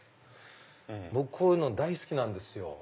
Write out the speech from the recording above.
僕こういうの大好きなんですよ。